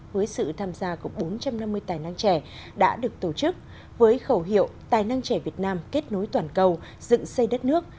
với sự tham gia của bốn trăm năm mươi tài năng trẻ đã được tổ chức với khẩu hiệu tài năng trẻ việt nam kết nối toàn cầu dựng xây đất nước